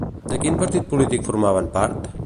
De quin partit polític formaven part?